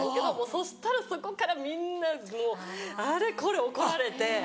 そしたらそこからみんなもうあれこれ怒られて。